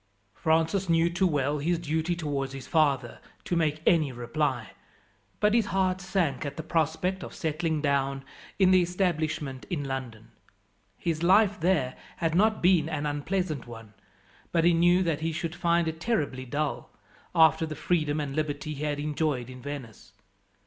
Francis knew too well his duty towards his father to make any reply, but his heart sank at the prospect of settling down in the establishment in London. His life there had not been an unpleasant one, but he knew that he should find it terribly dull, after the freedom and liberty he had enjoyed in Venice.